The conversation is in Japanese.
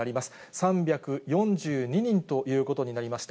３４２人ということになりました。